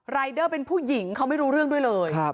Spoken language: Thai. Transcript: รายเดอร์เป็นผู้หญิงเขาไม่รู้เรื่องด้วยเลย